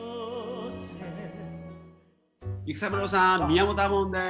育三郎さん宮本亞門です。